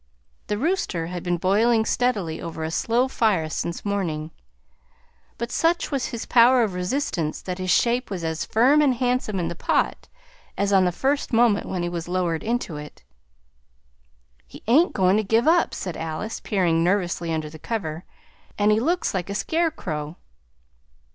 The rooster had been boiling steadily over a slow fire since morning, but such was his power of resistance that his shape was as firm and handsome in the pot as on the first moment when he was lowered into it. "He ain't goin' to give up!" said Alice, peering nervously under the cover, "and he looks like a scarecrow."